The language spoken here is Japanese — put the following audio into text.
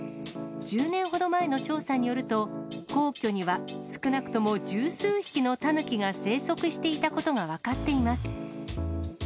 １０年ほど前の調査によると、皇居には少なくとも十数匹のタヌキが生息していたことが分かっています。